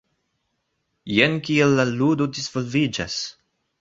Jen kiel la ludo disvolviĝas.